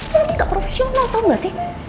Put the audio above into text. mungkin gak profesional tau gak sih